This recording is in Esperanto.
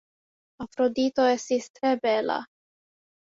Afrodito estis tre bela.